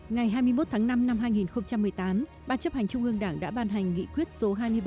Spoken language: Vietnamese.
ngày hai mươi một tháng năm năm hai nghìn một mươi tám ban chấp hành trung ương đảng đã ban hành nghị quyết số hai mươi ba